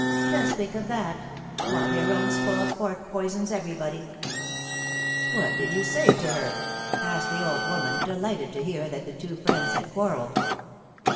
Just think of that! — while their own spoiled pork poisons everybody !" What did you say to her?" asked the old woman, de lighted to hear that the two friends had quarrelled.